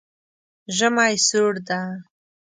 ژمی سوړ ده